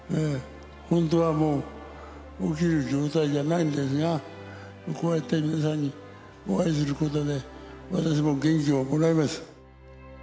本当はもう、起きられる状態じゃないんですが、こうやって皆さんにお会いすることで、私も元気をもらえます。